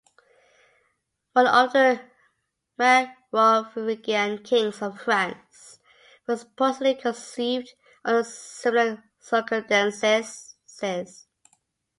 One of the Merovingian Kings of France was supposedly conceived under similar circumstances.